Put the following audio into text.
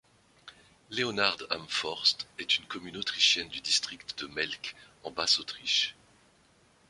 Leonhard am Forst est une commune autrichienne du district de Melk en Basse-Autriche.